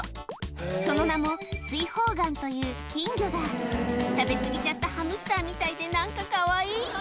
その名も水泡眼という金魚だ食べ過ぎちゃったハムスターみたいで何かかわいい！